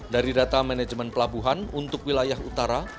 dari data manajemen pelabuhan untuk wilayah utara